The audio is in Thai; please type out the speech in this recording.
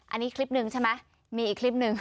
อันนี้คลิปหนึ่งใช่ไหมมีอีกคลิปหนึ่ง